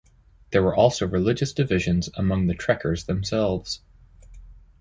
There were also religious divisions among the trekkers themselves.